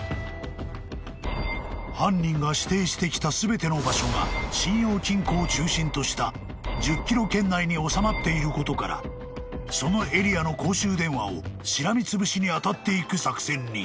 ［犯人が指定してきた全ての場所が信用金庫を中心とした１０ｋｍ圏内に収まっていることからそのエリアの公衆電話をしらみつぶしに当たっていく作戦に］